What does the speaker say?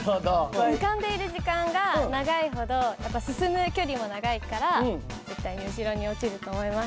浮かんでいる時間が長いほどやっぱり進む距離も長いから絶対に後ろに落ちると思います。